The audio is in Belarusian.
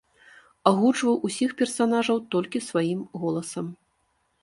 Агучваў усіх персанажаў толькі сваім голасам.